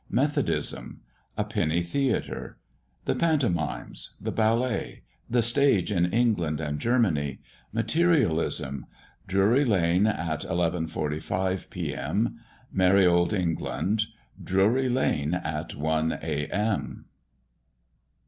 METHODISM. A PENNY THEATRE. THE PANTOMIMES. THE BALLET. THE STAGE IN ENGLAND AND GERMANY. MATERIALISM. DRURY LANE AT 11·45 P.M. MERRY OLD ENGLAND. DRURY LANE AT 1 A.M.